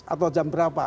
atau jam berapa